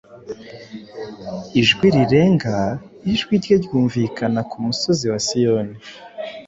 ijwi rirenga ijwi rye ryumvikana ku musozi wa Siyoni,